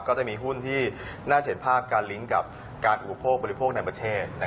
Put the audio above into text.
ก็จะมีหุ้นที่น่าจะเห็นภาพการลิงก์กับการอุปโภคบริโภคในประเทศ